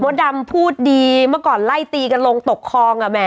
ดำพูดดีเมื่อก่อนไล่ตีกันลงตกคลองอ่ะแหม